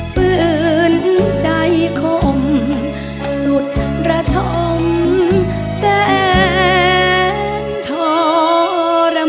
ฝืนใจข่มสุดระทมแสงทรมาน